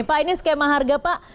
pak ini skema harga pak